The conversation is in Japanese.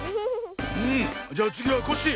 うんじゃあつぎはコッシー。